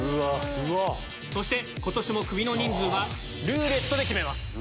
そして、ことしもクビの人数はルーレットで決めます。